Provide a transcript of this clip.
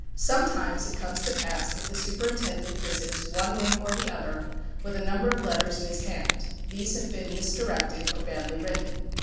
Sometimes it comes to pass that the superintendent visits one room or the other, with a number of letters in his hand; these have been misdirected or badly written.